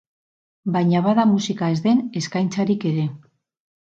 Baina bada musika ez den eskaintzarik ere.